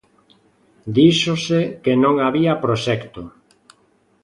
Díxose que non había proxecto.